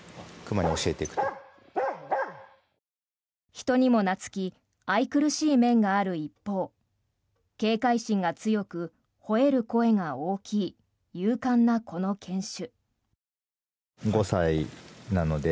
人にもなつき愛くるしい面がある一方警戒心が強く、ほえる声が大きい勇敢なこの犬種。